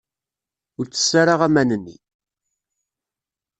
Ur ttess ara aman-nni.